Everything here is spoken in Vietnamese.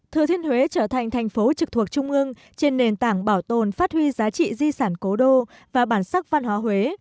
thừa thiên huế trở thành thành phố trực thuộc trung ương trên nền tảng bảo tồn phát huy giá trị di sản cố đô và bản sắc văn hóa huế